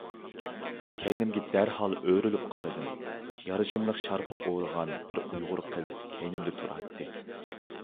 كەينىمگە دەرھال ئۆرۈلۈپ قارىدىم. يارىشىملىق شارپا ئورىغان بىر ئۇيغۇر قىز كەينىمدە تۇراتتى.